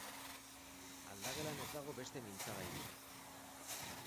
Aldagelan ez dago beste mintzagairik.